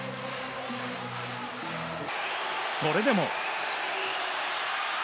それでも。